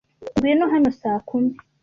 Ngwino hano saa kumi.